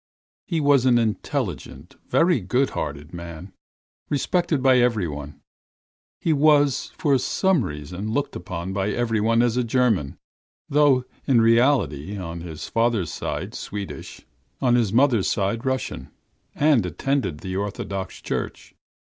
He was an intelligent, very good hearted man, respected by everyone. He was for some reason looked upon by everyone as a German, though he was in reality on his father's side Swedish, on his mother's side Russian, and attended the Orthodox church.